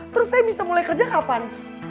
terus saya bisa mulai kerja kapan